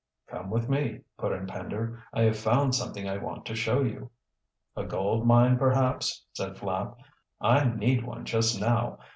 "Come with me," put in Pender. "I have found something I want to show you." "A gold mine, perhaps," said Flapp. "I need one just now.